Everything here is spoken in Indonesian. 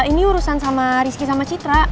ini urusan sama rizky sama citra